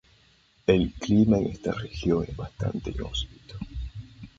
El clima en esta región es bastante inhóspito.